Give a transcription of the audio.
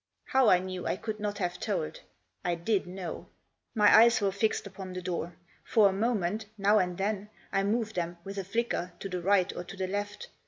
How I knew I could not have told. I did know. My eyes were fixed upon the door. For a moment, now and then, I moved them, with a flicker, to the right or to the left.